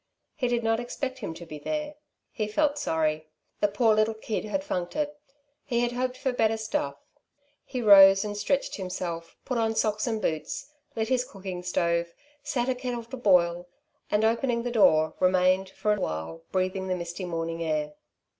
He did not expect him to be there. He felt sorry. The poor little kid had funked it. He had hoped for better stuff. He rose and stretched himself, put on socks and boots, lit his cooking stove, set a kettle to boil and, opening the door, remained for a while breathing the misty morning air.